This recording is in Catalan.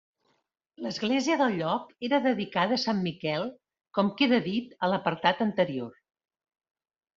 L'església del lloc era dedicada a sant Miquel, com queda dit a l'apartat anterior.